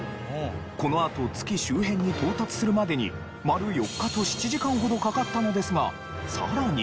このあと月周辺に到達するまでに丸４日と７時間ほどかかったのですがさらに。